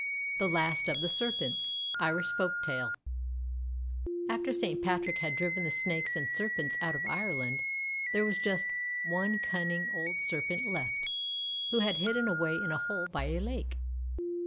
THE LAST OF THE SERPENTS Irish Folktale AFTER Saint Patrick had driven the Snakes and Serpents out of Ireland, there was just one cun ning old Serpent left, who had hidden away in a hole by a lake.